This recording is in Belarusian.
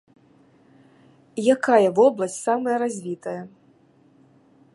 Якая вобласць самая развітая?